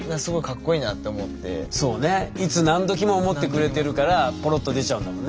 いつなんどきも思ってくれてるからぽろっと出ちゃうんだもんね。